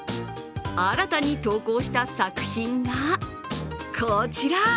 新たに投稿した作品が、こちら。